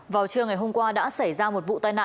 vào trưa ngày hôm qua đã xảy ra một vụ tai nạn